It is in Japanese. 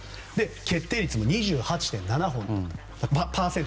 決定率も２８．７％。